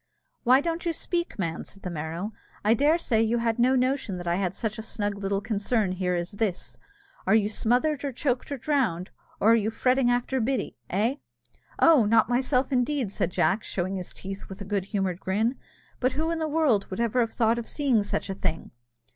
"Why don't you speak, man?" said the Merrow: "I dare say you had no notion that I had such a snug little concern here as this? Are you smothered, or choked, or drowned, or are you fretting after Biddy, eh?" "Oh! not myself, indeed," said Jack, showing his teeth with a good humoured grin; "but who in the world would ever have thought of seeing such a thing?"